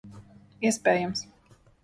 Iespējams.